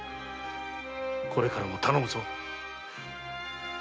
これからも頼むぞ。